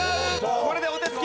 これでお手つき